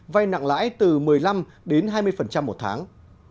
vay nặng lãi từ một mươi năm đến hai mươi một tháng